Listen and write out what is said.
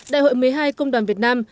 đại hội một mươi hai công đoàn việt nam